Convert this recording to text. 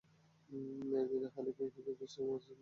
এই দীনে হানীফ ইহুদী, খৃস্টান ও মুশরিকদের ধর্ম থেকে সম্পূর্ণ পৃথক।